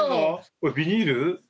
これビニール？